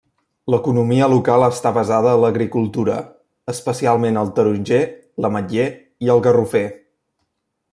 L'economia local està basada a l'agricultura, especialment el taronger, l'ametller i el garrofer.